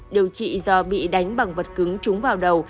điều trị do bị đánh bằng vật cứng trúng vào đầu